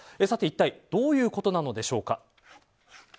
一体どういうことなのでしょうか。